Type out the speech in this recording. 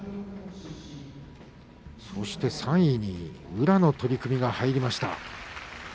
そして３位に宇良の取組が入りました。